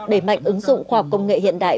đẩy mạnh ứng dụng khoa học công nghệ hiện đại